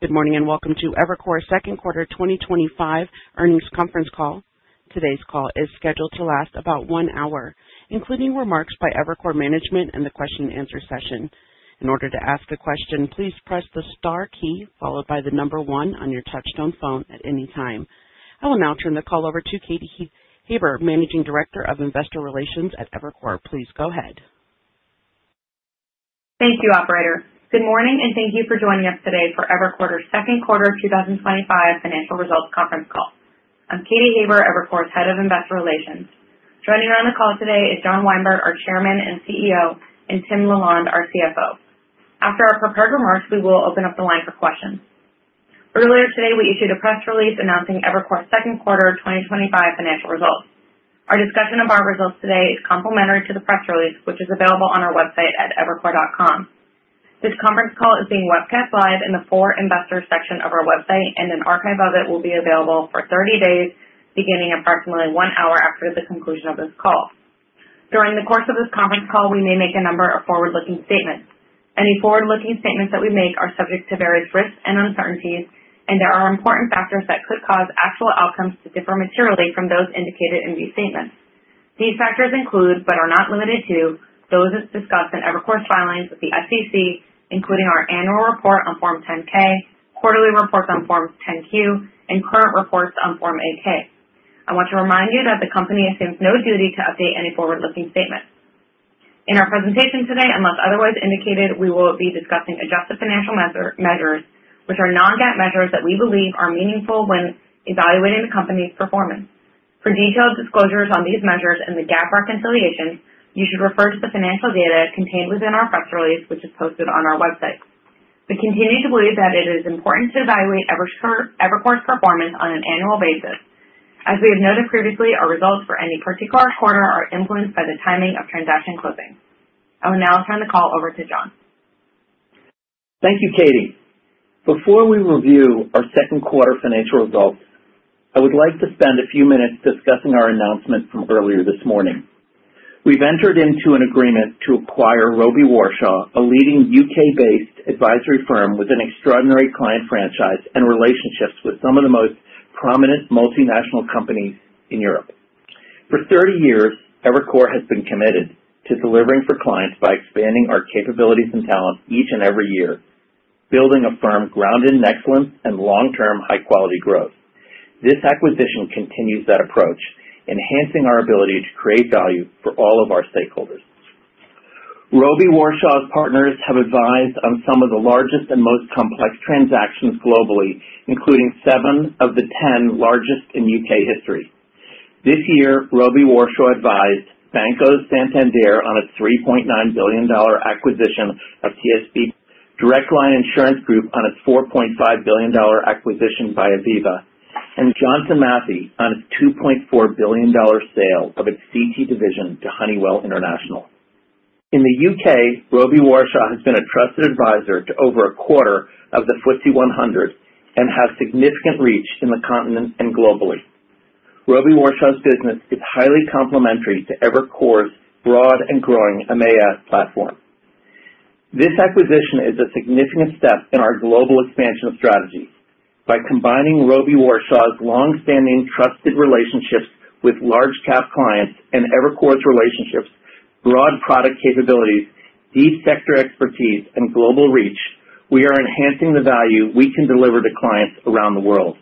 Good morning and welcome to Evercore second quarter 2025 earnings conference call. Today's call is scheduled to last about one hour, including remarks by Evercore management and the question-and-answer session. In order to ask a question, please press the star key followed by the number one on your touchstone phone at any time. I will now turn the call over to Katy Haber, Managing Director of Investor Relations at Evercore. Please go ahead. Thank you, operator. Good morning and thank you for joining us today for Evercore's second quarter 2025 financial results conference call. I'm Katy Haber, Evercore's Head of Investor Relations. Joining me on the call today is John Weinberg, our Chairman and CEO, and Tim LaLonde, our CFO. After our prepared remarks, we will open up the line for questions. Earlier today, we issued a press release announcing Evercore's second quarter 2025 financial results. Our discussion of our results today is complimentary to the press release, which is available on our website at evercore.com. This conference call is being webcast live in the For Investors section of our website, and an archive of it will be available for 30 days, beginning approximately one hour after the conclusion of this call. During the course of this conference call, we may make a number of forward-looking statements. Any forward-looking statements that we make are subject to various risks and uncertainties, and there are important factors that could cause actual outcomes to differ materially from those indicated in these statements. These factors include, but are not limited to, those discussed in Evercore's filings with the SEC, including our annual report on Form 10-K, quarterly reports on Form 10-Q, and current reports on Form 8-K. I want to remind you that the company assumes no duty to update any forward-looking statements. In our presentation today, unless otherwise indicated, we will be discussing adjusted financial measures, which are non-GAAP measures that we believe are meaningful when evaluating the company's performance. For detailed disclosures on these measures and the GAAP reconciliation, you should refer to the financial data contained within our press release, which is posted on our website. We continue to believe that it is important to evaluate Evercore's performance on an annual basis. As we have noted previously, our results for any particular quarter are influenced by the timing of transaction closing. I will now turn the call over to John. Thank you, Katy. Before we review our second quarter financial results, I would like to spend a few minutes discussing our announcement from earlier this morning. We've entered into an agreement to acquire Robey Warshaw, a leading U.K.-based advisory firm with an extraordinary client franchise and relationships with some of the most prominent multinational companies in Europe. For 30 years, Evercore has been committed to delivering for clients by expanding our capabilities and talent each and every year, building a firm grounded in excellence and long-term high-quality growth. This acquisition continues that approach, enhancing our ability to create value for all of our stakeholders. Robey Warshaw's partners have advised on some of the largest and most complex transactions globally, including seven of the ten largest in U.K. history. This year, Robey Warshaw advised Banco Santander on a $3.9 billion acquisition of TSB, Direct Line Insurance Group on its $4.5 billion acquisition via Viva, and Johnson Matthey on a $2.4 billion sale of its CT division to Honeywell International. In the U.K., Robey Warshaw has been a trusted advisor to over a quarter of the FTSE 100 and has significant reach in the continent and globally. Robey Warshaw's business is highly complementary to Evercore's broad and growing AMEA platform. This acquisition is a significant step in our global expansion strategy. By combining Robey Warshaw's long-standing trusted relationships with large-cap clients and Evercore's relationships, broad product capabilities, deep sector expertise, and global reach, we are enhancing the value we can deliver to clients around the world.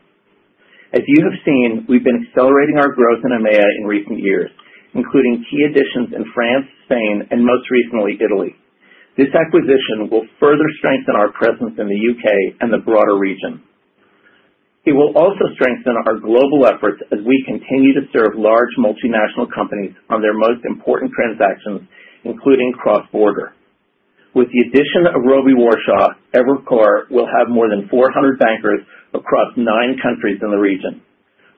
As you have seen, we've been accelerating our growth in AMEA in recent years, including key additions in France, Spain, and most recently, Italy. This acquisition will further strengthen our presence in the U.K. and the broader region. It will also strengthen our global efforts as we continue to serve large multinational companies on their most important transactions, including cross-border. With the addition of Robey Warshaw, Evercore will have more than 400 bankers across nine countries in the region.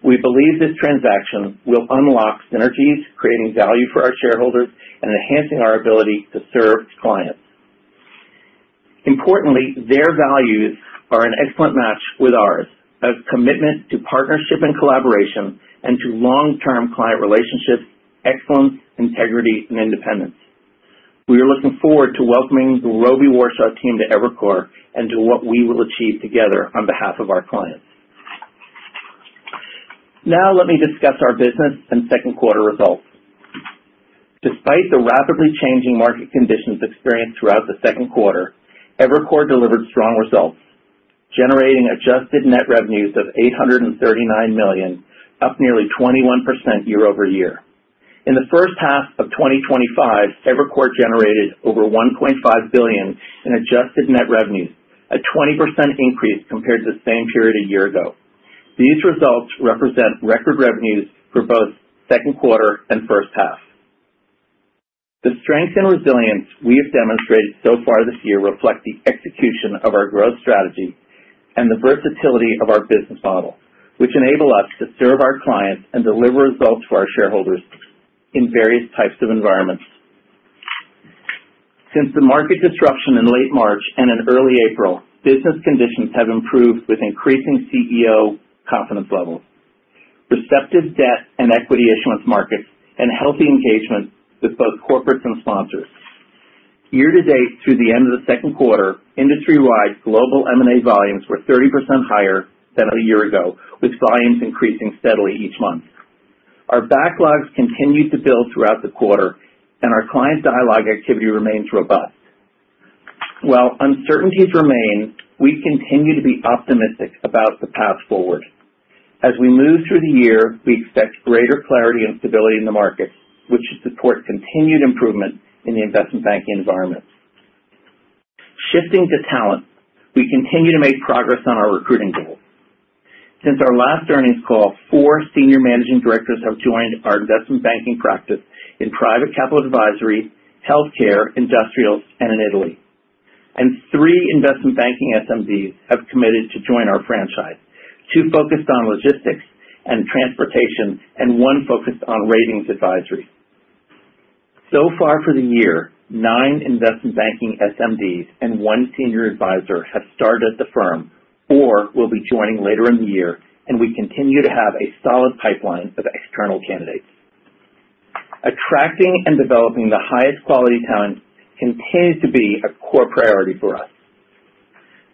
We believe this transaction will unlock synergies, creating value for our shareholders and enhancing our ability to serve clients. Importantly, their values are an excellent match with ours, a commitment to partnership and collaboration, and to long-term client relationships, excellence, integrity, and independence. We are looking forward to welcoming the Robey Warshaw team to Evercore and to what we will achieve together on behalf of our clients. Now, let me discuss our business and second quarter results. Despite the rapidly changing market conditions experienced throughout the second quarter, Evercore delivered strong results, generating adjusted net revenues of $839 million, up nearly 21% year-over-year. In the first half of 2025, Evercore generated over $1.5 billion in adjusted net revenues, a 20% increase compared to the same period a year ago. These results represent record revenues for both second quarter and first half. The strength and resilience we have demonstrated so far this year reflect the execution of our growth strategy and the versatility of our business model, which enable us to serve our clients and deliver results for our shareholders in various types of environments. Since the market disruption in late March and in early April, business conditions have improved with increasing CEO confidence levels, receptive debt and equity issuance markets, and healthy engagement with both corporates and sponsors. Year-to-date, through the end of the second quarter, industry-wide, global M&A volumes were 30% higher than a year ago, with volumes increasing steadily each month. Our backlogs continue to build throughout the quarter, and our client dialogue activity remains robust. While uncertainties remain, we continue to be optimistic about the path forward. As we move through the year, we expect greater clarity and stability in the markets, which should support continued improvement in the investment banking environment. Shifting to talent, we continue to make progress on our recruiting goals. Since our last earnings call, four senior managing directors have joined our investment banking practice in private capital advisory, healthcare, industrials, and in Italy. Three investment banking SMBs have committed to join our franchise: two focused on logistics and transportation, and one focused on ratings advisory. So far for the year, nine investment banking SMBs and one senior advisor have started at the firm or will be joining later in the year, and we continue to have a solid pipeline of external candidates. Attracting and developing the highest quality talent continues to be a core priority for us.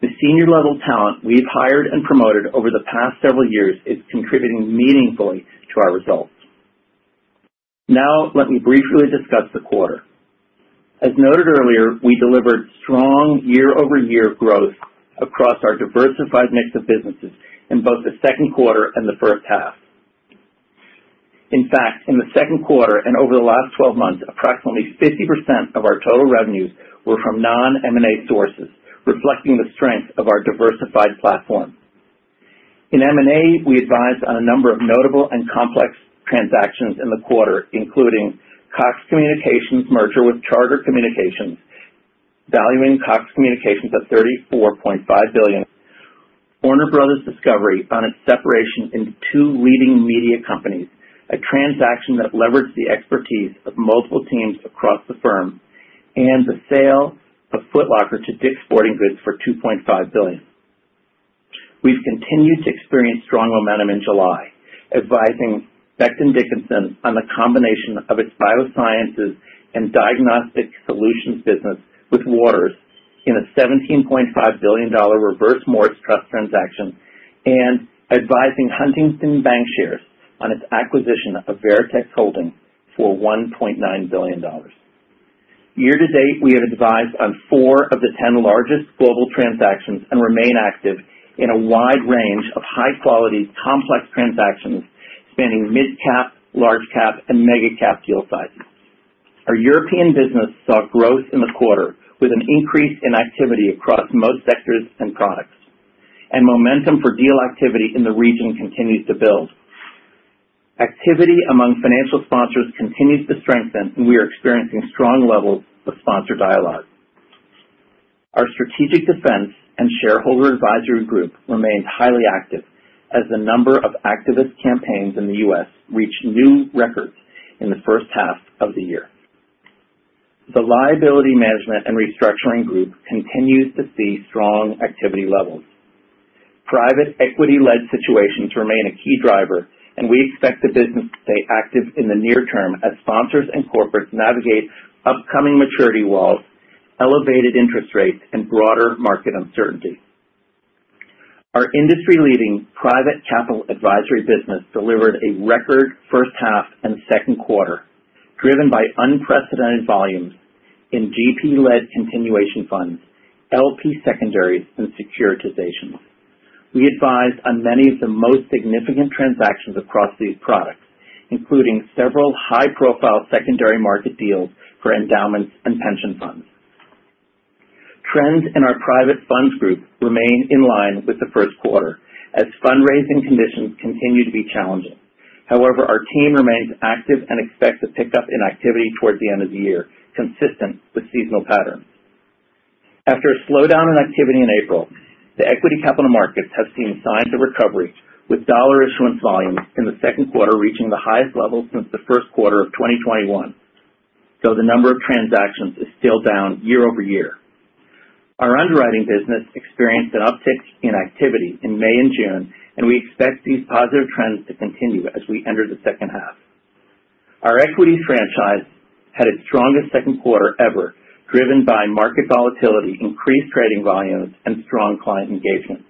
The senior-level talent we've hired and promoted over the past several years is contributing meaningfully to our results. Now, let me briefly discuss the quarter. As noted earlier, we delivered strong year-over-year growth across our diversified mix of businesses in both the second quarter and the first half. In fact, in the second quarter and over the last 12 months, approximately 50% of our total revenues were from non-M&A sources, reflecting the strength of our diversified platform. In M&A, we advised on a number of notable and complex transactions in the quarter, including Cox Communications' merger with Charter Communications, valuing Cox Communications at $34.5 billion, Warner Bros. Discovery on its separation into two leading media companies, a transaction that leveraged the expertise of multiple teams across the firm, and the sale of Foot Locker to Dick's Sporting Goods for $2.5 billion. We've continued to experience strong momentum in July, advising Becton Dickinson on the combination of its Biosciences and Diagnostic Solutions business with Waters in a $17.5 billion Reverse Morris Trust transaction, and advising Huntington Bancshares on its acquisition of Veritex Holdings for $1.9 billion. Year-to-date, we have advised on four of the ten largest global transactions and remain active in a wide range of high-quality, complex transactions spanning mid-cap, large-cap, and mega-cap deal sizes. Our European business saw growth in the quarter with an increase in activity across most sectors and products, and momentum for deal activity in the region continues to build. Activity among financial sponsors continues to strengthen, and we are experiencing strong levels of sponsor dialogue. Our strategic defense and shareholder advisory group remains highly active as the number of activist campaigns in the U.S. reached new records in the first half of the year. The liability management and restructuring group continues to see strong activity levels. Private equity-led situations remain a key driver, and we expect the business to stay active in the near term as sponsors and corporates navigate upcoming maturity walls, elevated interest rates, and broader market uncertainty. Our industry-leading private capital advisory business delivered a record first half and second quarter, driven by unprecedented volumes in GP-led continuation funds, LP secondaries, and securitizations. We advised on many of the most significant transactions across these products, including several high-profile secondary market deals for endowments and pension funds. Trends in our private funds group remain in line with the first quarter as fundraising conditions continue to be challenging. However, our team remains active and expects a pickup in activity towards the end of the year, consistent with seasonal patterns. After a slowdown in activity in April, the equity capital markets have seen signs of recovery, with dollar issuance volumes in the second quarter reaching the highest level since the first quarter of 2021, though the number of transactions is still down year-over-year. Our underwriting business experienced an uptick in activity in May and June, and we expect these positive trends to continue as we enter the second half. Our equities franchise had its strongest second quarter ever, driven by market volatility, increased trading volumes, and strong client engagement.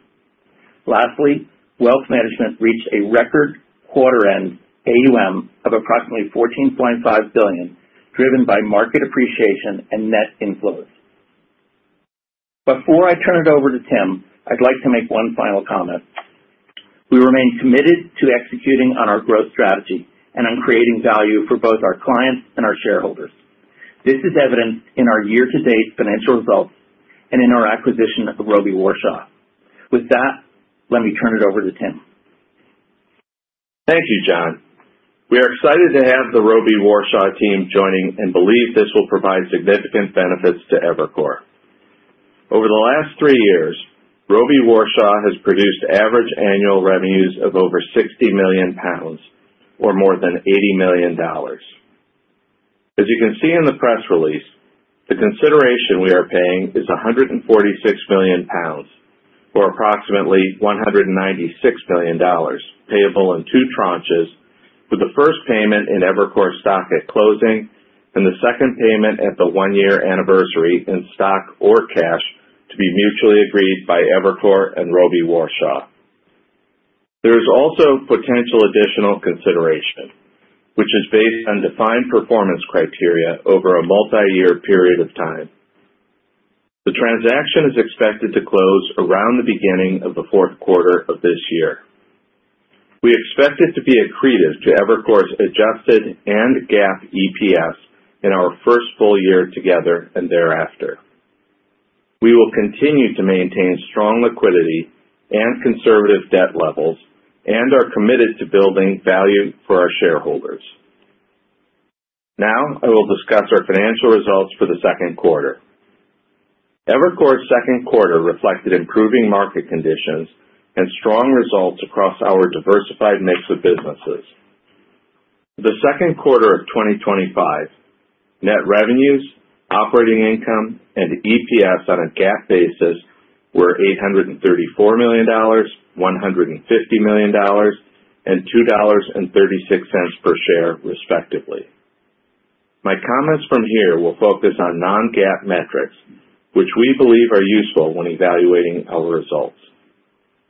Lastly, wealth management reached a record quarter-end AUM of approximately $14.5 billion, driven by market appreciation and net inflows. Before I turn it over to Tim, I'd like to make one final comment. We remain committed to executing on our growth strategy and on creating value for both our clients and our shareholders. This is evident in our year-to-date financial results and in our acquisition of Robey Warshaw. With that, let me turn it over to Tim. Thank you, John. We are excited to have the Robey Warshaw team joining and believe this will provide significant benefits to Evercore. Over the last three years, Robey Warshaw has produced average annual revenues of over 60 million pounds, or more than $80 million. As you can see in the press release, the consideration we are paying is 146 million pounds, or approximately $196 million, payable in two tranches, with the first payment in Evercore stock at closing and the second payment at the one-year anniversary in stock or cash to be mutually agreed by Evercore and Robey Warshaw. There is also potential additional consideration, which is based on defined performance criteria over a multi-year period of time. The transaction is expected to close around the beginning of the fourth quarter of this year. We expect it to be accretive to Evercore's adjusted and GAAP EPS in our first full year together and thereafter. We will continue to maintain strong liquidity and conservative debt levels and are committed to building value for our shareholders. Now, I will discuss our financial results for the second quarter. Evercore's second quarter reflected improving market conditions and strong results across our diversified mix of businesses. The second quarter of 2025. Net revenues, operating income, and EPS on a GAAP basis were $834 million, $150 million, and $2.36 per share, respectively. My comments from here will focus on non-GAAP metrics, which we believe are useful when evaluating our results.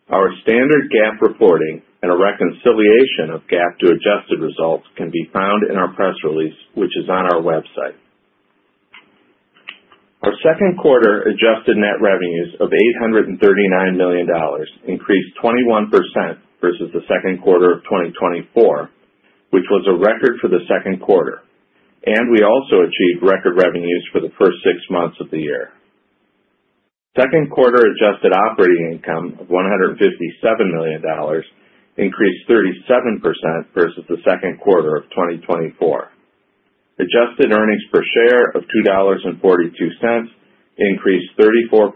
Our standard GAAP reporting and a reconciliation of GAAP to adjusted results can be found in our press release, which is on our website. Our second quarter adjusted net revenues of $839 million increased 21% versus the second quarter of 2024, which was a record for the second quarter, and we also achieved record revenues for the first six months of the year. Second quarter adjusted operating income of $157 million increased 37% versus the second quarter of 2024. Adjusted earnings per share of $2.42 increased 34%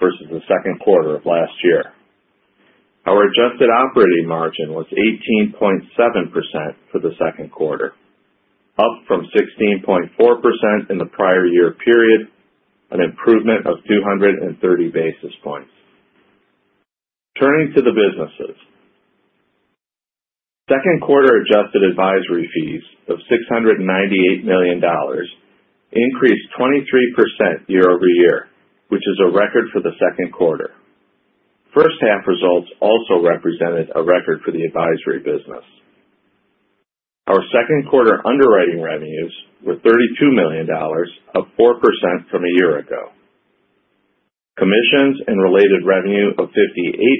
versus the second quarter of last year. Our adjusted operating margin was 18.7% for the second quarter, up from 16.4% in the prior year period, an improvement of 230 basis points. Turning to the businesses. second quarter adjusted advisory fees of $698 million increased 23% year-over-year, which is a record for the second quarter. First half results also represented a record for the advisory business. Our second quarter underwriting revenues were $32 million, up 4% from a year ago. Commissions and related revenue of $58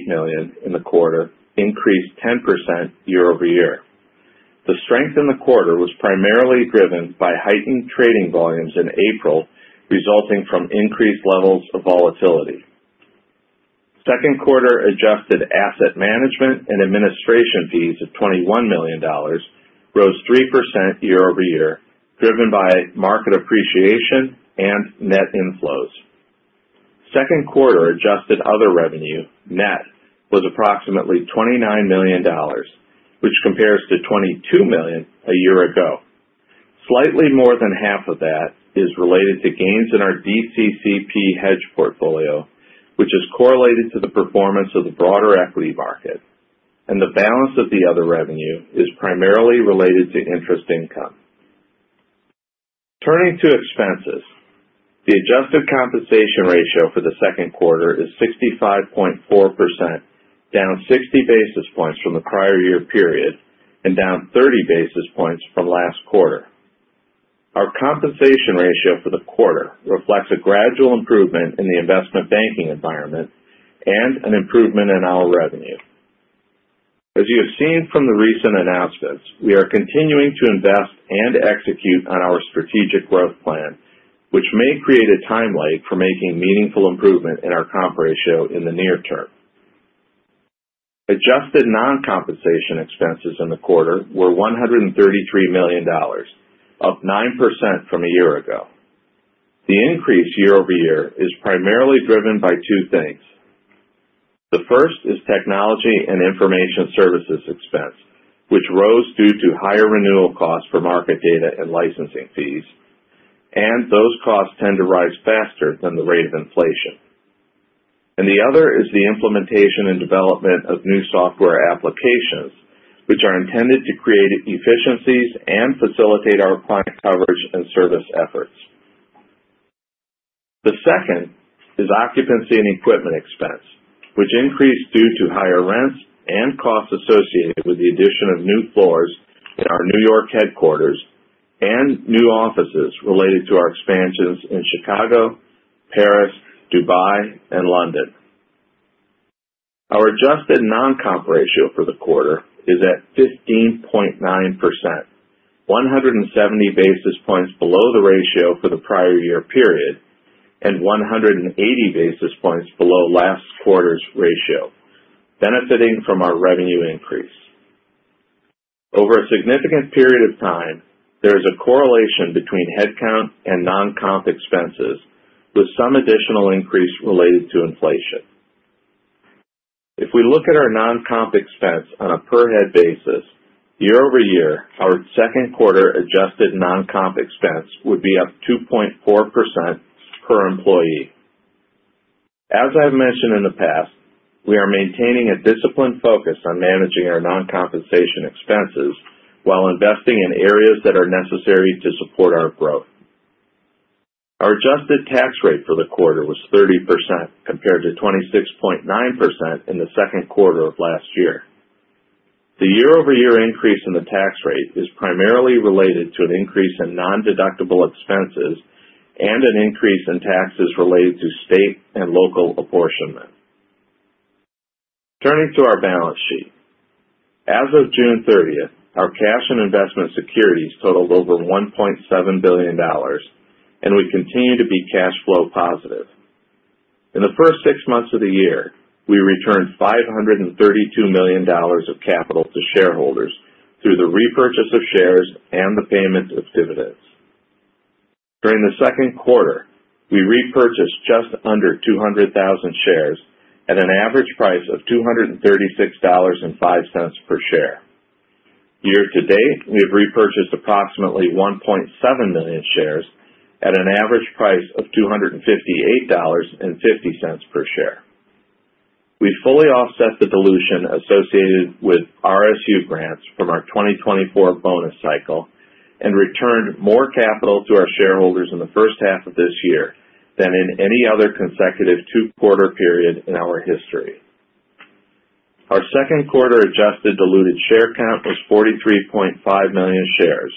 million in the quarter increased 10% year-over-year. The strength in the quarter was primarily driven by heightened trading volumes in April, resulting from increased levels of volatility. Second quarter adjusted asset management and administration fees of $21 million rose 3% year-over-year, driven by market appreciation and net inflows. Second quarter adjusted other revenue, net, was approximately $29 million, which compares to $22 million a year ago. Slightly more than half of that is related to gains in our DCCP hedge portfolio, which is correlated to the performance of the broader equity market, and the balance of the other revenue is primarily related to interest income. Turning to expenses, the adjusted compensation ratio for the second quarter is 65.4%, down 60 basis points from the prior year period and down 30 basis points from last quarter. Our compensation ratio for the quarter reflects a gradual improvement in the investment banking environment and an improvement in our revenue. As you have seen from the recent announcements, we are continuing to invest and execute on our strategic growth plan, which may create a time lag for making meaningful improvement in our comp ratio in the near term. Adjusted non-compensation expenses in the quarter were $133 million, up 9% from a year ago. The increase year-over-year is primarily driven by two things. The first is technology and information services expense, which rose due to higher renewal costs for market data and licensing fees, and those costs tend to rise faster than the rate of inflation. The other is the implementation and development of new software applications, which are intended to create efficiencies and facilitate our client coverage and service efforts. The second is occupancy and equipment expense, which increased due to higher rents and costs associated with the addition of new floors in our New York headquarters and new offices related to our expansions in Chicago, Paris, Dubai, and London. Our adjusted non-comp ratio for the quarter is at 15.9%, 170 basis points below the ratio for the prior year period and 180 basis points below last quarter's ratio, benefiting from our revenue increase. Over a significant period of time, there is a correlation between headcount and non-comp expenses, with some additional increase related to inflation. If we look at our non-comp expense on a per-head basis, year-over-year, our second quarter adjusted non-comp expense would be up 2.4% per employee. As I've mentioned in the past, we are maintaining a disciplined focus on managing our non-compensation expenses while investing in areas that are necessary to support our growth. Our adjusted tax rate for the quarter was 30% compared to 26.9% in the second quarter of last year. The year-over-year increase in the tax rate is primarily related to an increase in non-deductible expenses and an increase in taxes related to state and local apportionment. Turning to our balance sheet. As of June 30th, our cash and investment securities totaled over $1.7 billion. We continue to be cash flow positive. In the first six months of the year, we returned $532 million of capital to shareholders through the repurchase of shares and the payment of dividends. During the second quarter, we repurchased just under 200,000 shares at an average price of $236.05 per share. Year-to-date, we have repurchased approximately 1.7 million shares at an average price of $258.50 per share. We fully offset the dilution associated with RSU grants from our 2024 bonus cycle and returned more capital to our shareholders in the first half of this year than in any other consecutive two-quarter period in our history. Our second quarter adjusted diluted share count was 43.5 million shares,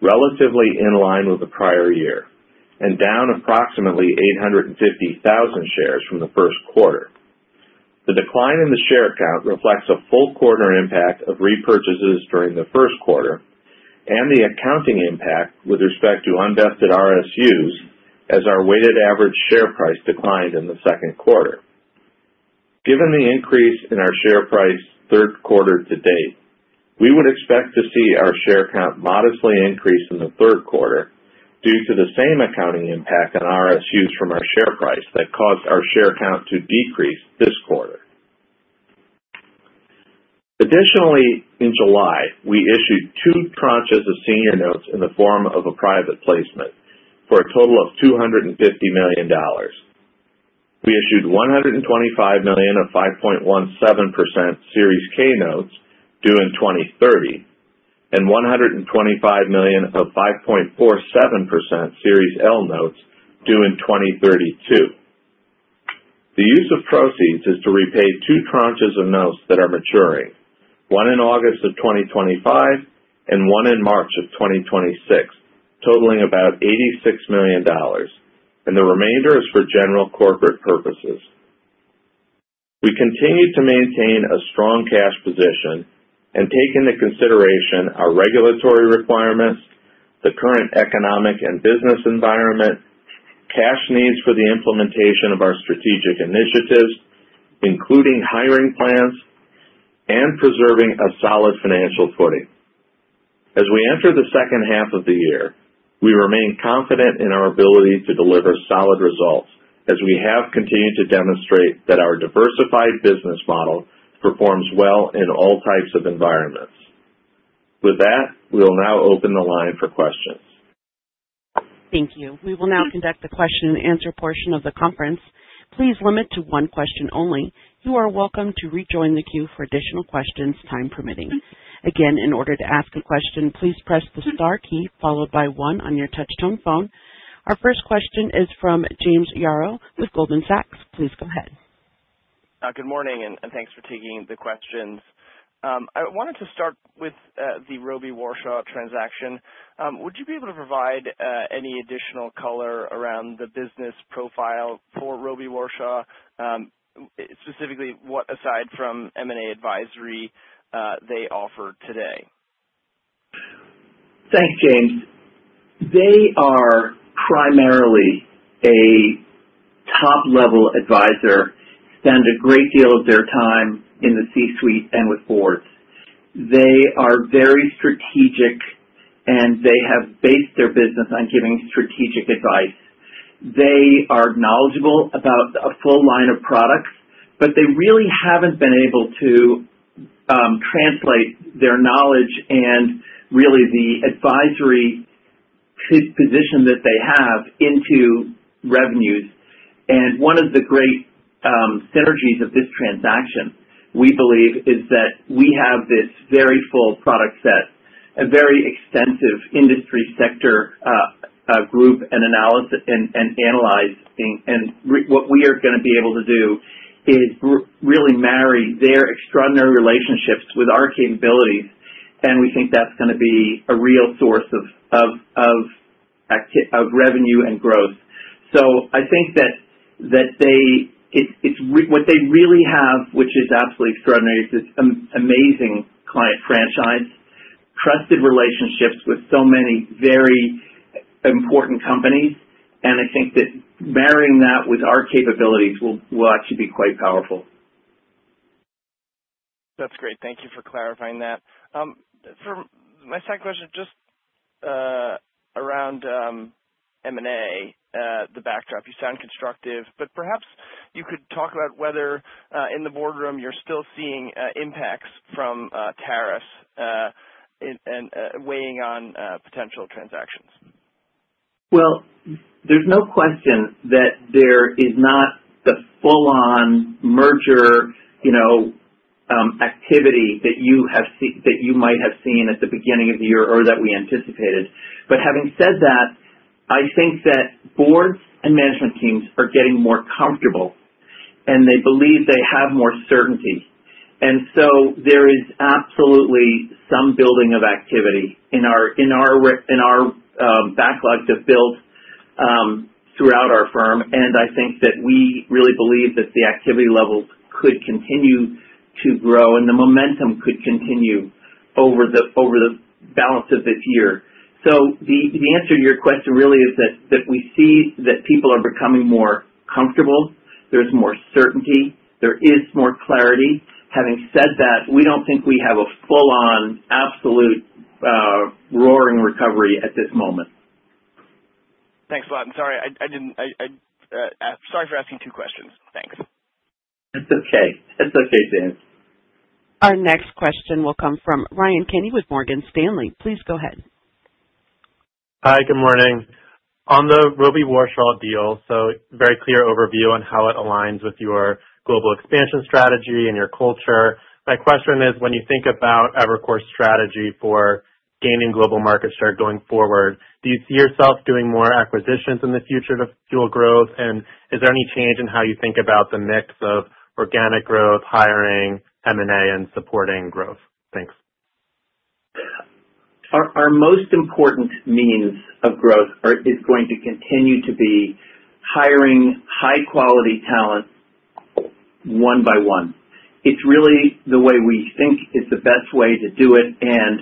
relatively in line with the prior year, and down approximately 850,000 shares from the first quarter. The decline in the share count reflects a full quarter impact of repurchases during the first quarter and the accounting impact with respect to unvested RSUs as our weighted average share price declined in the second quarter. Given the increase in our share price third quarter to date, we would expect to see our share count modestly increase in the third quarter due to the same accounting impact on RSUs from our share price that caused our share count to decrease this quarter. Additionally, in July, we issued two tranches of senior notes in the form of a private placement for a total of $250 million. We issued $125 million of 5.17% Series K notes due in 2030 and $125 million of 5.47% Series L notes due in 2032. The use of proceeds is to repay two tranches of notes that are maturing, one in August of 2025 and one in March of 2026, totaling about $86 million, and the remainder is for general corporate purposes. We continue to maintain a strong cash position and take into consideration our regulatory requirements, the current economic and business environment, cash needs for the implementation of our strategic initiatives, including hiring plans, and preserving a solid financial footing. As we enter the second half of the year, we remain confident in our ability to deliver solid results as we have continued to demonstrate that our diversified business model performs well in all types of environments. With that, we will now open the line for questions. Thank you. We will now conduct the question and answer portion of the conference. Please limit to one question only. You are welcome to rejoin the queue for additional questions, time permitting. Again, in order to ask a question, please press the star key followed by one on your touch-tone phone. Our first question is from James Yaro with Goldman Sachs. Please go ahead. Good morning and thanks for taking the questions. I wanted to start with the Robey Warshaw transaction. Would you be able to provide any additional color around the business profile for Robey Warshaw? Specifically, what aside from M&A advisory they offer today? Thanks, James. They are primarily a top-level advisor and spend a great deal of their time in the C-suite and with boards. They are very strategic and they have based their business on giving strategic advice. They are knowledgeable about a full line of products, but they really haven't been able to translate their knowledge and really the advisory position that they have into revenues. One of the great synergies of this transaction, we believe, is that we have this very full product set, a very extensive industry sector group and analyze. What we are going to be able to do is really marry their extraordinary relationships with our capabilities, and we think that's going to be a real source of revenue and growth. I think that what they really have, which is absolutely extraordinary, is this amazing client franchise, trusted relationships with so many very important companies, and I think that marrying that with our capabilities will actually be quite powerful. That's great. Thank you for clarifying that. My second question, just around M&A, the backdrop. You sound constructive, but perhaps you could talk about whether in the boardroom you're still seeing impacts from tariffs and weighing on potential transactions. There is no question that there is not the full-on merger activity that you might have seen at the beginning of the year or that we anticipated. Having said that, I think that boards and management teams are getting more comfortable and they believe they have more certainty. There is absolutely some building of activity in our backlog to build throughout our firm, and I think that we really believe that the activity levels could continue to grow and the momentum could continue over the balance of this year. The answer to your question really is that we see that people are becoming more comfortable, there is more certainty, there is more clarity. Having said that, we do not think we have a full-on absolute roaring recovery at this moment. Thanks a lot. I'm sorry. Sorry for asking two questions. Thanks. That's okay. That's okay, James. Our next question will come from Ryan Kenny with Morgan Stanley. Please go ahead. Hi, good morning. On the Robey Warshaw deal, very clear overview on how it aligns with your global expansion strategy and your culture. My question is, when you think about Evercore's strategy for gaining global market share going forward, do you see yourself doing more acquisitions in the future to fuel growth, and is there any change in how you think about the mix of organic growth, hiring, M&A, and supporting growth? Thanks. Our most important means of growth is going to continue to be hiring high-quality talent. One by one. It's really the way we think is the best way to do it, and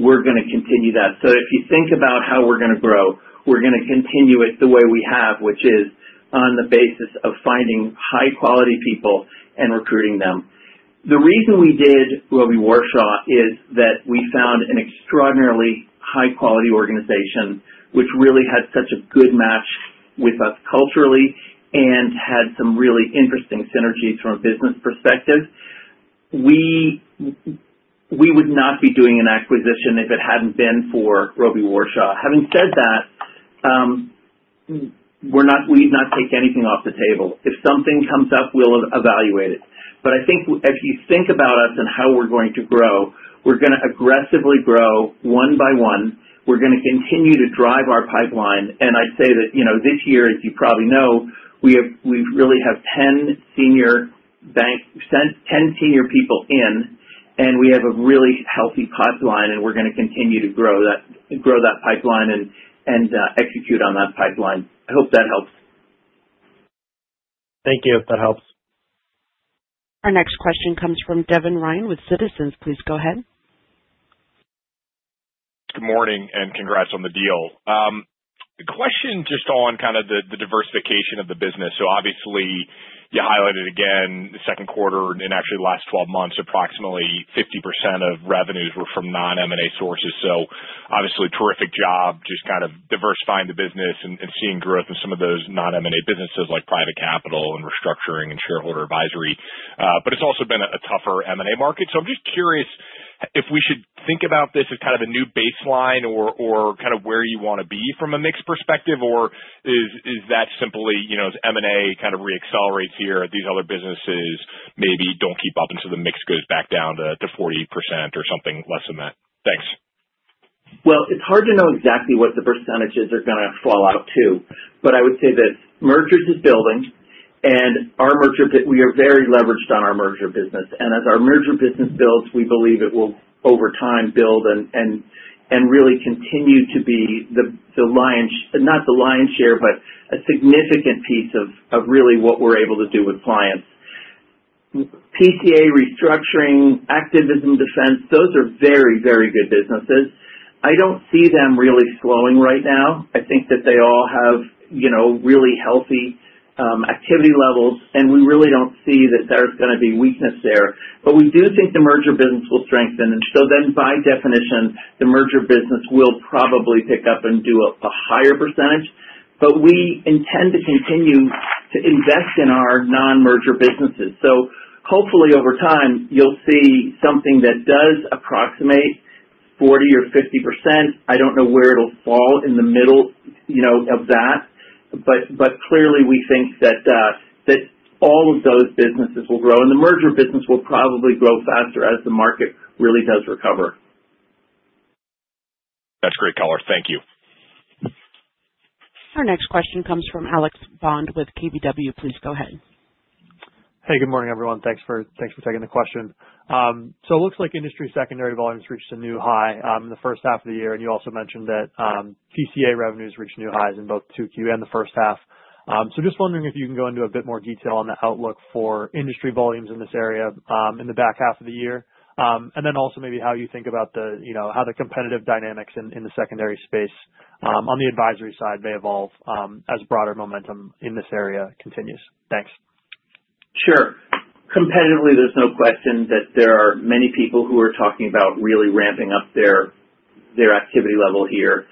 we're going to continue that. If you think about how we're going to grow, we're going to continue it the way we have, which is on the basis of finding high-quality people and recruiting them. The reason we did Robey Warshaw is that we found an extraordinarily high-quality organization, which really had such a good match with us culturally and had some really interesting synergies from a business perspective. We would not be doing an acquisition if it hadn't been for Robey Warshaw. Having said that, we'd not take anything off the table. If something comes up, we'll evaluate it. I think if you think about us and how we're going to grow, we're going to aggressively grow one by one. We're going to continue to drive our pipeline, and I'd say that this year, as you probably know, we really have 10 senior bankers, 10 senior people in, and we have a really healthy pipeline, and we're going to continue to grow that pipeline and execute on that pipeline. I hope that helps. Thank you. That helps. Our next question comes from Devin Ryan with Citizens. Please go ahead. Good morning and congrats on the deal. The question just on kind of the diversification of the business. Obviously, you highlighted again the second quarter and actually the last 12 months, approximately 50% of revenues were from non-M&A sources. Obviously, terrific job just kind of diversifying the business and seeing growth in some of those non-M&A businesses like private capital and restructuring and shareholder advisory. It has also been a tougher M&A market. I'm just curious if we should think about this as kind of a new baseline or kind of where you want to be from a mix perspective, or is that simply as M&A kind of reaccelerates here, these other businesses maybe do not keep up until the mix goes back down to 40% or something less than that? Thanks. It's hard to know exactly what the percentages are going to fall out to, but I would say that mergers are building, and we are very leveraged on our merger business. As our merger business builds, we believe it will, over time, build and really continue to be the lion's—not the lion's share, but a significant piece of really what we're able to do with clients. PCA restructuring, activism defense, those are very, very good businesses. I don't see them really slowing right now. I think that they all have really healthy activity levels, and we really don't see that there's going to be weakness there. We do think the merger business will strengthen. By definition, the merger business will probably pick up and do a higher percentage, but we intend to continue to invest in our non-merger businesses. Hopefully, over time, you'll see something that does approximate 40% or 50%. I don't know where it'll fall in the middle of that, but clearly, we think that all of those businesses will grow, and the merger business will probably grow faster as the market really does recover. That's great, color. Thank you. Our next question comes from Alex Bond with KBW. Please go ahead. Hey, good morning, everyone. Thanks for taking the question. It looks like industry secondary volumes reached a new high in the first half of the year, and you also mentioned that PCA revenues reached new highs in both Q2 and the first half. I am just wondering if you can go into a bit more detail on the outlook for industry volumes in this area in the back half of the year, and then also maybe how you think about how the competitive dynamics in the secondary space on the advisory side may evolve as broader momentum in this area continues. Thanks. Sure. Competitively, there's no question that there are many people who are talking about really ramping up their activity level here.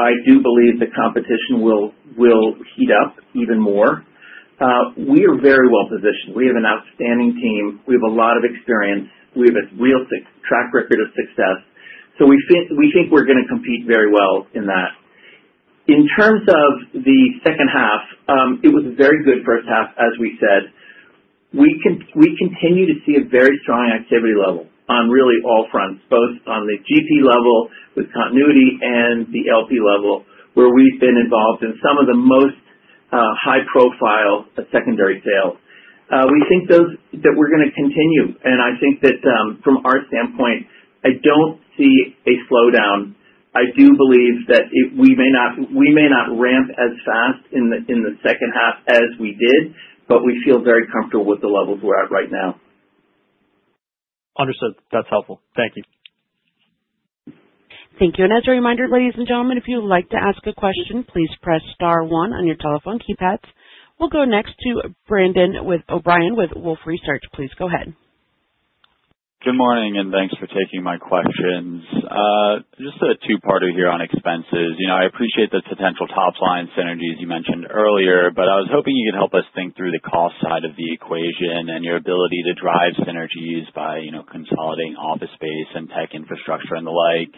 I do believe the competition will heat up even more. We are very well positioned. We have an outstanding team. We have a lot of experience. We have a real track record of success. We think we're going to compete very well in that. In terms of the second half, it was a very good first half, as we said. We continue to see a very strong activity level on really all fronts, both on the GP level with continuity and the LP level, where we've been involved in some of the most high-profile secondary sales. We think that we're going to continue, and I think that from our standpoint, I don't see a slowdown. I do believe that we may not ramp as fast in the second half as we did, but we feel very comfortable with the levels we're at right now. Understood. That's helpful. Thank you. Thank you. As a reminder, ladies and gentlemen, if you'd like to ask a question, please press star one on your telephone keypads. We'll go next to Brendan O'Brien with Wolfe Research. Please go ahead. Good morning and thanks for taking my questions. Just a two-parter here on expenses. I appreciate the potential top-line synergies you mentioned earlier, but I was hoping you could help us think through the cost side of the equation and your ability to drive synergies by consolidating office space and tech infrastructure and the like.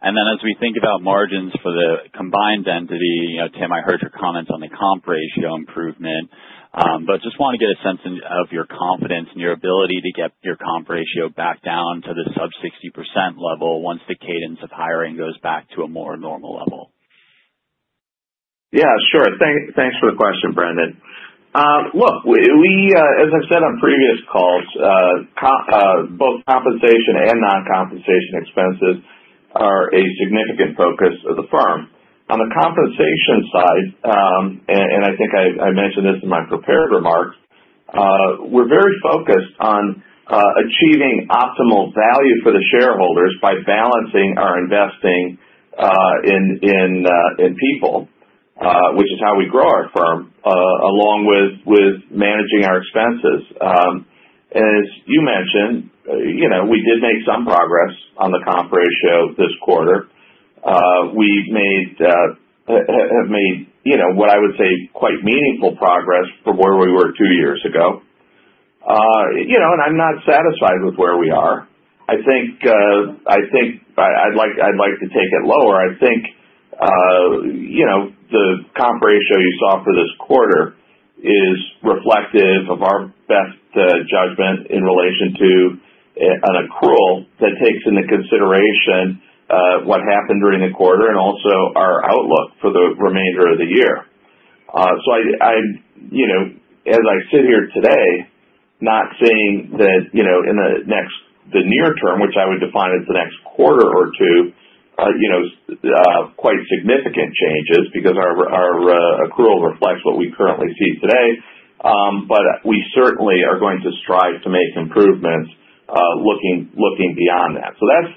As we think about margins for the combined entity, Tim, I heard your comments on the comp ratio improvement, but just want to get a sense of your confidence and your ability to get your comp ratio back down to the sub-60% level once the cadence of hiring goes back to a more normal level. Yeah, sure. Thanks for the question, Brendan. Look, as I've said on previous calls, both compensation and non-compensation expenses are a significant focus of the firm. On the compensation side, and I think I mentioned this in my prepared remarks, we're very focused on achieving optimal value for the shareholders by balancing our investing in people, which is how we grow our firm, along with managing our expenses. As you mentioned, we did make some progress on the comp ratio this quarter. We have made, what I would say, quite meaningful progress from where we were two years ago. I'm not satisfied with where we are. I think I'd like to take it lower. I think the comp ratio you saw for this quarter is reflective of our best judgment in relation to an accrual that takes into consideration what happened during the quarter and also our outlook for the remainder of the year. As I sit here today, not seeing that in the next near term, which I would define as the next quarter or two, quite significant changes because our accrual reflects what we currently see today, but we certainly are going to strive to make improvements looking beyond that.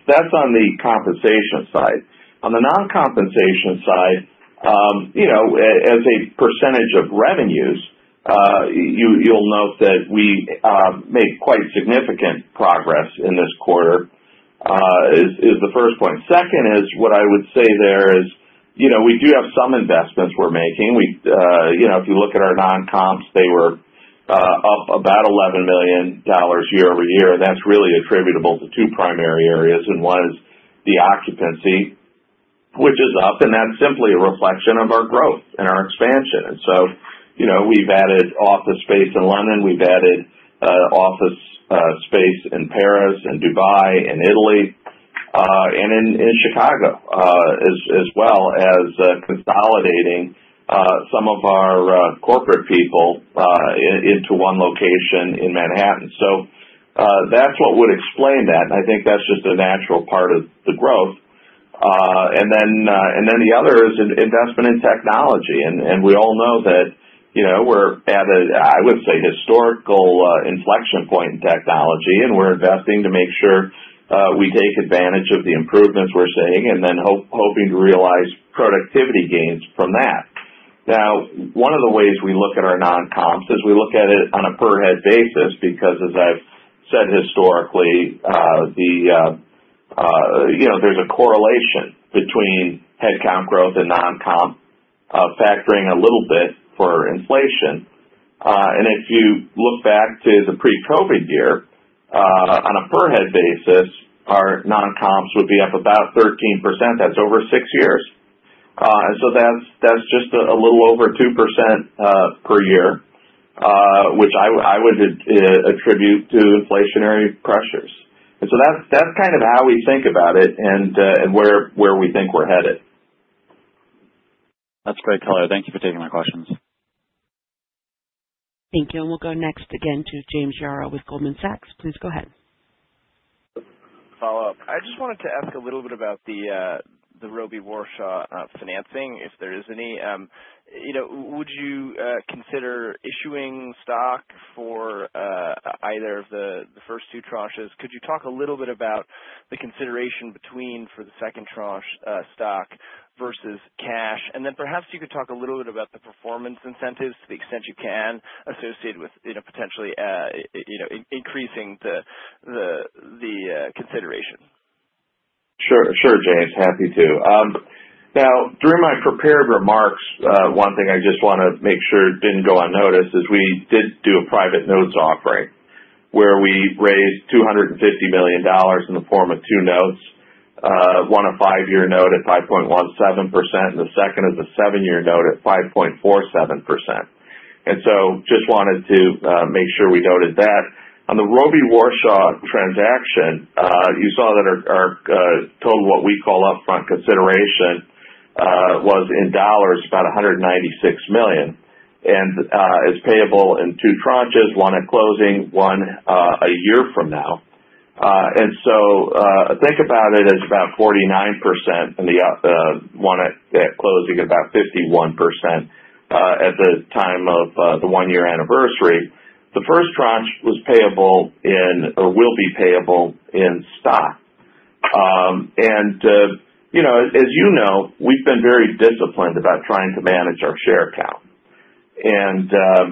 That's on the compensation side. On the non-compensation side, as a percentage of revenues, you'll note that we made quite significant progress in this quarter. That is the first point. Second is what I would say there is we do have some investments we're making. If you look at our non-comps, they were up about $11 million year-over-year, and that's really attributable to two primary areas, and one is the occupancy, which is up, and that's simply a reflection of our growth and our expansion. We've added office space in London, we've added office space in Paris and Dubai and Italy and in Chicago, as well as consolidating some of our corporate people into one location in Manhattan. That's what would explain that, and I think that's just a natural part of the growth. The other is investment in technology, and we all know that we're at, I would say, a historical inflection point in technology, and we're investing to make sure we take advantage of the improvements we're seeing and then hoping to realize productivity gains from that. Now, one of the ways we look at our non-comps is we look at it on a per-head basis because, as I've said historically, there's a correlation between headcount growth and non-comp, factoring a little bit for inflation. If you look back to the pre-COVID year, on a per-head basis, our non-comps would be up about 13%. That's over six years, and that's just a little over 2% per year, which I would attribute to inflationary pressures. That's kind of how we think about it and where we think we're headed. That's great, color. Thank you for taking my questions. Thank you. We'll go next again to James Yaro with Goldman Sachs. Please go ahead. Follow-up. I just wanted to ask a little bit about the Robey Warshaw financing, if there is any. Would you consider issuing stock for either of the first two tranches? Could you talk a little bit about the consideration between for the second tranche, stock versus cash? Perhaps you could talk a little bit about the performance incentives, to the extent you can, associated with potentially increasing the consideration. Sure, sure, James. Happy to. Now, during my prepared remarks, one thing I just want to make sure did not go unnoticed is we did do a private notes offering where we raised $250 million in the form of two notes. One a five-year note at 5.17% and the second is a seven-year note at 5.47%. I just wanted to make sure we noted that. On the Robey Warshaw transaction, you saw that our total what we call upfront consideration was in dollars about $196 million. It is payable in two tranches, one at closing, one a year from now. Think about it as about 49% and the one at closing about 51%. At the time of the one-year anniversary, the first tranche was payable in or will be payable in stock. As you know, we have been very disciplined about trying to manage our share count. No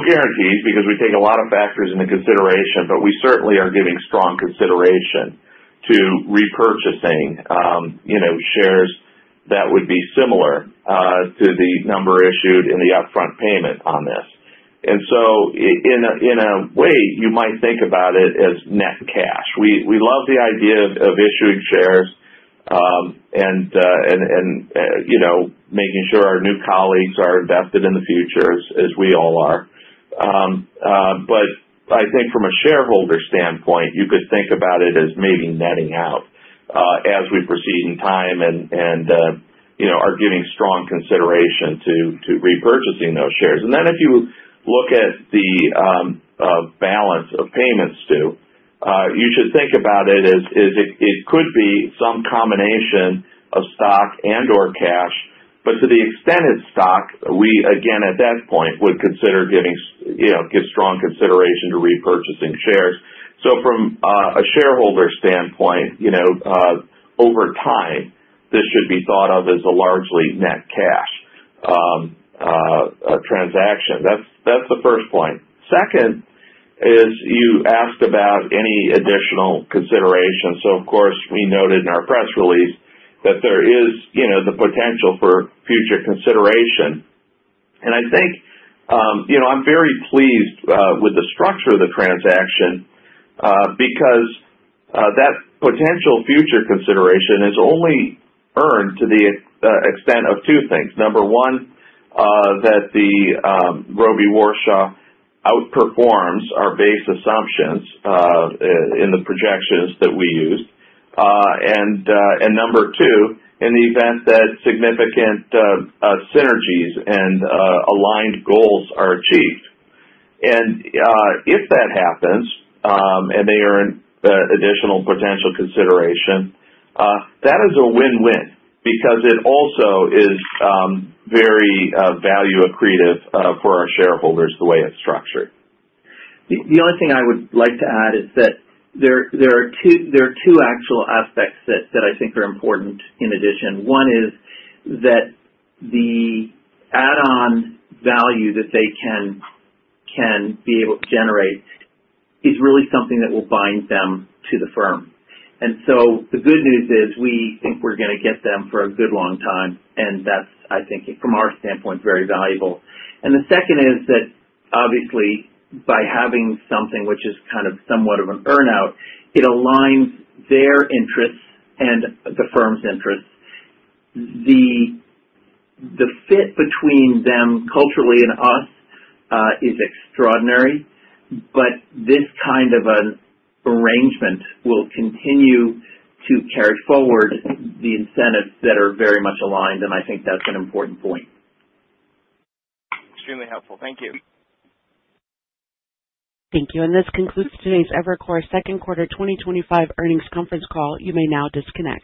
guarantees because we take a lot of factors into consideration, but we certainly are giving strong consideration to repurchasing shares that would be similar to the number issued in the upfront payment on this. In a way, you might think about it as net cash. We love the idea of issuing shares and making sure our new colleagues are invested in the future as we all are. I think from a shareholder standpoint, you could think about it as maybe netting out as we proceed in time and are giving strong consideration to repurchasing those shares. If you look at the balance of payments too, you should think about it as it could be some combination of stock and/or cash, but to the extent it is stock, we, again, at that point, would consider giving strong consideration to repurchasing shares. From a shareholder standpoint, over time, this should be thought of as a largely net cash transaction. That is the first point. Second, you asked about any additional consideration. Of course, we noted in our press release that there is the potential for future consideration. I think I am very pleased with the structure of the transaction because that potential future consideration is only earned to the extent of two things. Number one, that the Robey Warshaw outperforms our base assumptions in the projections that we used. Number two, in the event that significant synergies and aligned goals are achieved. If that happens and they earn additional potential consideration, that is a win-win because it also is very value-accretive for our shareholders the way it is structured. The only thing I would like to add is that there are two actual aspects that I think are important in addition. One is that the add-on value that they can be able to generate is really something that will bind them to the firm. The good news is we think we're going to get them for a good long time, and that's, I think, from our standpoint, very valuable. The second is that, obviously, by having something which is kind of somewhat of an earnout, it aligns their interests and the firm's interests. The fit between them culturally and us is extraordinary, but this kind of an arrangement will continue to carry forward the incentives that are very much aligned, and I think that's an important point. Extremely helpful. Thank you. Thank you. This concludes today's Evercore second quarter 2025 earnings conference call. You may now disconnect.